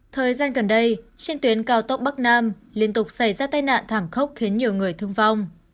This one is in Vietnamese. thời gian gần đây trên tuyến cao tốc bắc nam liên tục xảy ra tai nạn thảm khốc khiến nhiều người thương vong